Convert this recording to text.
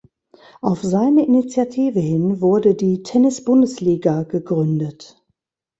Auf seine Initiative hin wurde die Tennis-Bundesliga gegründet.